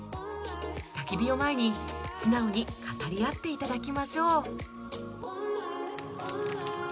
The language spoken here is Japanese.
焚き火を前に素直に語り合って頂きましょう